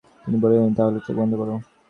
তিনি বললেন, তাহলে চোখ বন্ধ করো ।